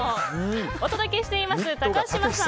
お届けしています高嶋さん